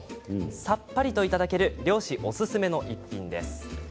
さっぱりといただける漁師おすすめの逸品です。